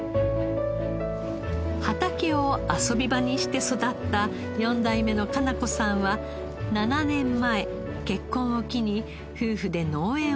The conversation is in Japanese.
畑を遊び場にして育った４代目の加奈子さんは７年前結婚を機に夫婦で農園を継ぎました。